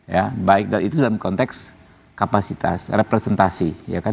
ya baik dan itu dalam konteks kapasitas representasi ya kan